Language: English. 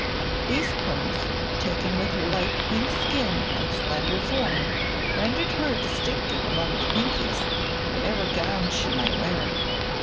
These points, taken with her light pink skin and slender form, rendered her distinctive among the Pinkies, whatever gown she might wear.